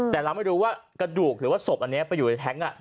แต่เราไม่รู้ว่ากระดูกหรือว่าศพอันนี้ไปอยู่ในแท้ง